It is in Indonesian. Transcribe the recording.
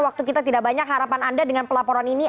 waktu kita tidak banyak harapan anda dengan pelaporan ini